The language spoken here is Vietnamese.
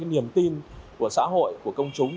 niềm tin của xã hội của công chúng